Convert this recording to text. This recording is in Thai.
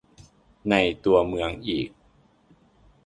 ในตัวเมืองอีก